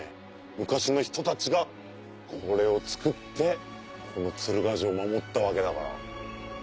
昔の人たちがこれを造ってこの鶴ヶ城を守ったわけだから。